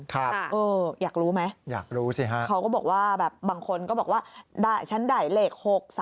ค่ะอยากรู้ไหมบางคนก็บอกว่าฉันได้เลข๖๓๕